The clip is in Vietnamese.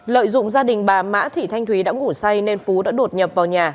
lợi dụng gia đình bà mã thị thanh thúy đã ngủ say nên phú đã đột nhập vào nhà